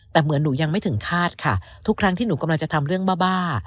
แต่เหมือนหนูยังไม่ถึงคาดค่ะทุกครั้งที่หนูกำลังจะทำเรื่องบ้าบ้า